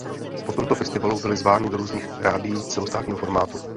Po tomto festivalu byli zváni do různých rádií celostátního formátu.